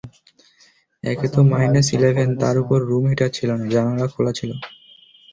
একেতো minus eleven, তার ওপর room heater ছিল না, জানালা খোলা ছিল।